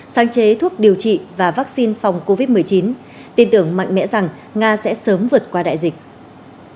sáng chế thuốc điều trị và vaccine phòng covid một mươi chín tin tưởng mạnh mẽ rằng nga sẽ sớm vượt qua đại dịch